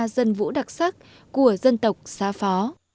dân vũ đặc sắc của dân tộc xá phó